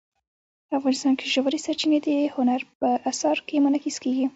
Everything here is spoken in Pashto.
افغانستان کې ژورې سرچینې د هنر په اثار کې منعکس کېږي.